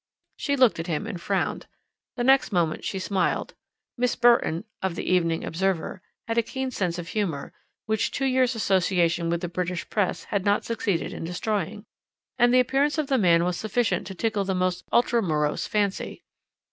She looked at him and frowned; the next moment she smiled. Miss Burton (of the Evening Observer) had a keen sense of humour, which two years' association with the British Press had not succeeded in destroying, and the appearance of the man was sufficient to tickle the most ultra morose fancy.